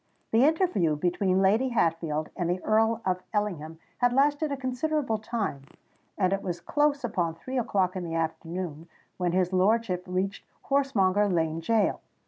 The interview between Lady Hatfield and the Earl of Ellingham had lasted a considerable time; and it was close upon three o'clock in the afternoon when his lordship reached Horsemonger Lane Gaol.